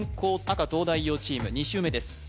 赤東大王チーム２周目です